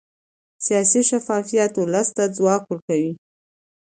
سیاسي شفافیت ولس ته ځواک ورکوي